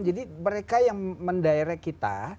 jadi mereka yang mendirect kita